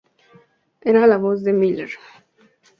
Era la voz de Miller.